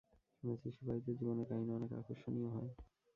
শুনেছি সিপাহীদের জীবনের কাহিনী অনেক আকর্ষণীয় হয়।